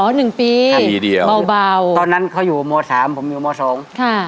หนึ่งปีเดียวเบาตอนนั้นเขาอยู่มสามผมอยู่มสองค่ะ